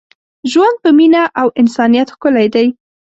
ژوند په مینه او انسانیت ښکلی دی.